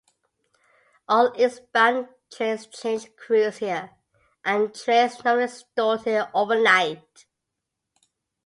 All eastbound trains change crews here and trains are normally stored here overnight.